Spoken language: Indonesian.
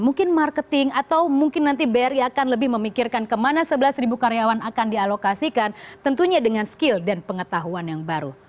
mungkin marketing atau mungkin nanti bri akan lebih memikirkan kemana sebelas karyawan akan dialokasikan tentunya dengan skill dan pengetahuan yang baru